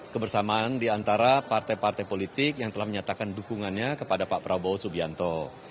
kebersamaan diantara partai partai politik yang telah menyatakan dukungannya kepada pak prabowo subianto